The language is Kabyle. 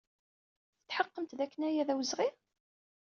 Tetḥeqqemt dakken aya d awezɣi?